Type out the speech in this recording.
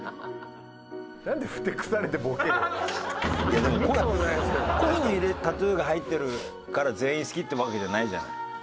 いやでも鯉のタトゥーが入ってるから全員好きってわけじゃないじゃない。